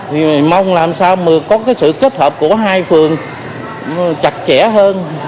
thì mong làm sao có sự kết hợp của hai phường chặt chẽ hơn